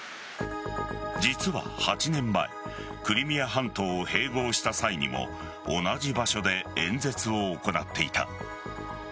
実は８年前クリミア半島を併合した際にも同じ場所で演説を行っていた。